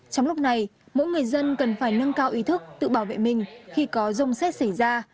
trong lúc này mỗi người dân cần phải nâng cao ý thức tự bảo vệ mình khi có rông xét xảy ra